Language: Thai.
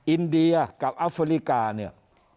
อินเดียกับอัฟริกาเนี่ย